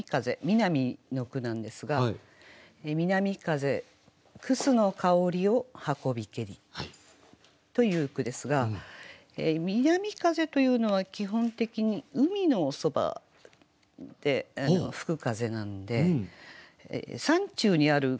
南の句なんですが「南風楠の香りを運びけり」という句ですが南風というのは基本的に海のそばで吹く風なんで山中にある楠とはちょっと合わないんですね。